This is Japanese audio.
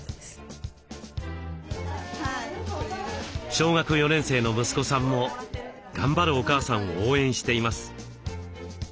小学４年生の息子さんも頑張るお母さんを応援しています。